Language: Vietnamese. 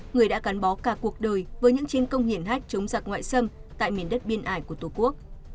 người đã gắn bó cả cuộc đời với những chiến công hiển hách chống giặc ngoại xâm tại miền đất biên ải của tổ quốc